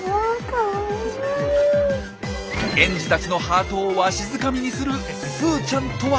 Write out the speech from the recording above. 園児たちのハートをわしづかみにするすーちゃんとは？